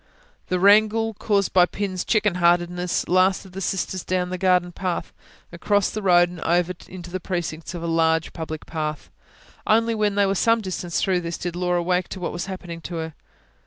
The wrangle caused by Pin's chicken heartedness lasted the sisters down the garden path, across the road, and over into the precincts of a large, public park. Only when they were some distance through this, did Laura wake to what was happening to her.